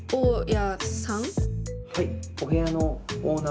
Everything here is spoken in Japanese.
はい。